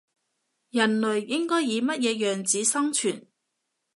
人類應該以乜嘢樣子生存